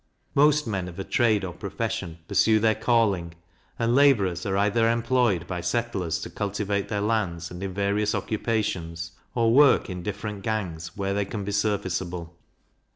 Most men of a trade or profession pursue their calling; and labourers are either employed by settlers to cultivate their lands, and in various occupations, or work in different gangs, where they can be serviceable.